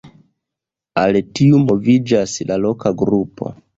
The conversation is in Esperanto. Al tiu moviĝas la "Loka Grupo".